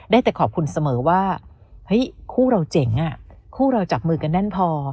ได้แต่ขอบคุณเสมอว่าเฮ้ยคู่เราเจ๋งคู่เราจับมือกันแน่นพอ